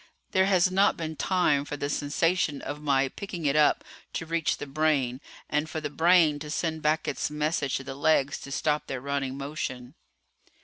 "There has not been time for the sensation of my picking it up to reach the brain, and for the brain to send back its message to the legs to stop their running motion."